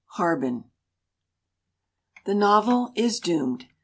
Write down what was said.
HARBEN r "T*HE novel is doomed.